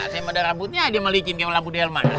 sama darah rambutnya dia malikin kayak mela budelman